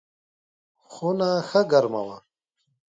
خونه ښه ګرمه وه.